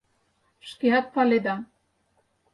Шкеат паледа.